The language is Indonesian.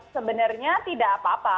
sebenarnya tidak apa apa